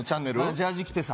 ジャージ着てさ